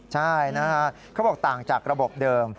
ใช่นะฮะเขาบอกต่างจากระบบเดิม